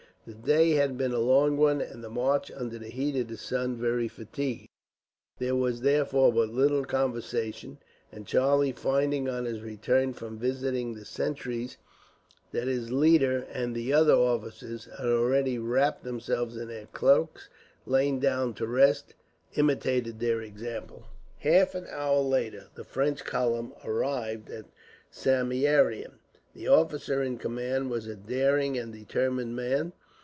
The day had been a long one, and the march under the heat of the sun very fatiguing. There was therefore but little conversation, and Charlie, finding, on his return from visiting the sentries, that his leader and the other officers had already wrapped themselves in their cloaks and lain down to rest, imitated their example. Half an hour later, the French column arrived at Samieaveram. The officer in command was a daring and determined man.